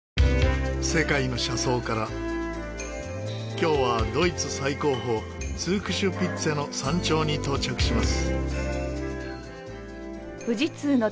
今日はドイツ最高峰ツークシュピッツェの山頂に到着します。